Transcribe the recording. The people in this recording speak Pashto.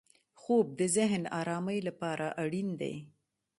خوب د ذهن ارامۍ لپاره اړین دی